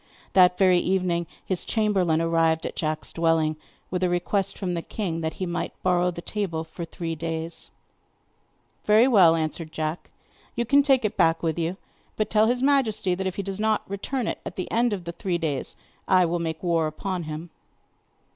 That very evening his chamberlain arrived at Jack's dwelling, with a request from the king that he might borrow the table for three days. 'Very well,' answered Jack, 'you can take it back with you. But tell his majesty that if he does not return it at the end of the three days I will make war upon him.